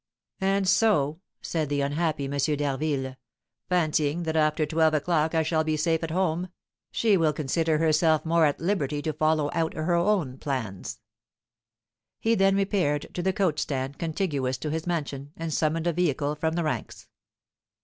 "And so," said the unhappy M. d'Harville, "fancying that after twelve o'clock I shall be safe at home, she will consider herself more at liberty to follow out her own plans." He then repaired to the coach stand contiguous to his mansion, and summoned a vehicle from the ranks.